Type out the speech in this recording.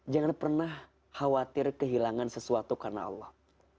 jangan pernah khawatir kehilangan sesuatu karena allah